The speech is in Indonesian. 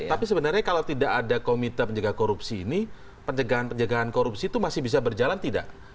tapi sebenarnya kalau tidak ada komite penjaga korupsi ini pencegahan penjagaan korupsi itu masih bisa berjalan tidak